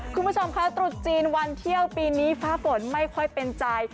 คุณผู้ชมคะตรุษจีนวันเที่ยวปีนี้ฟ้าฝนไม่ค่อยเป็นใจ